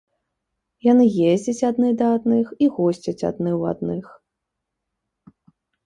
Яны ездзяць адны да адных і госцяць адны ў адных.